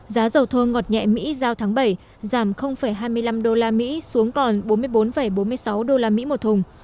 giá dầu thô ngọt nhẹ mỹ giao tháng bảy giảm hai mươi năm usd xuống còn bốn mươi bốn bốn mươi sáu usd một thùng